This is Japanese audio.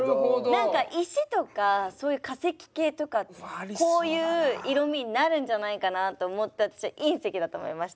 何か石とかそういう化石系とかこういう色みになるんじゃないかなと思って私は隕石だと思いました。